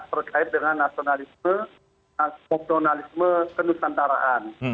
berkait dengan nasionalisme nasionalisme ke nusantaraan